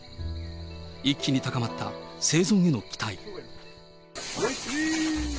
一気に高まった生存への期待。